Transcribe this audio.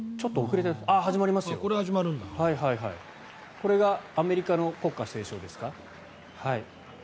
これがアメリカの国歌斉唱ですか。